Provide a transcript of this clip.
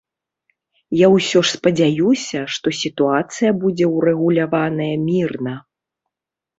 Я ўсё ж спадзяюся, што сітуацыя будзе ўрэгуляваная мірна.